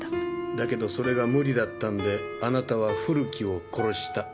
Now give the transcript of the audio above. だけどそれが無理だったんであなたは古木を殺した。